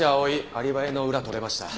アリバイの裏取れました。